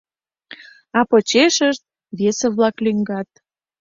А почешышт весе-влак лӱҥгат.